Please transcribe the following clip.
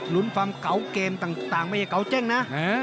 รุ้นความเก่าเกมต่างไม่ใช่เก๋าเจ๊งนะ